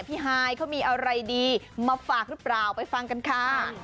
ฮายเขามีอะไรดีมาฝากหรือเปล่าไปฟังกันค่ะ